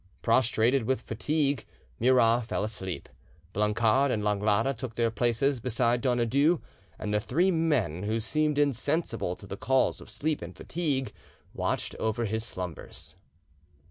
Prostrated with fatigue, Murat fell asleep, Blancard and Langlade took their places beside Donadieu, and the three men, who seemed insensible to the calls of sleep and fatigue, watched over his slumbers.